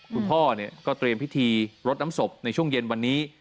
คุณพ่อก็เตรียมพิธีรดน้ำศพในช่วงเย็นวันนี้